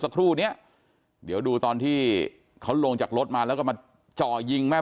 สักครู่เนี้ยเดี๋ยวดูตอนที่เขาลงจากรถมาแล้วก็มาจ่อยิงแม่